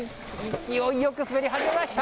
勢いよく滑り始めました！